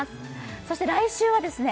そして来週はですね